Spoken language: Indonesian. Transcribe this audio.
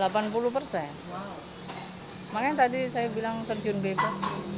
makanya tadi saya bilang terjun bebas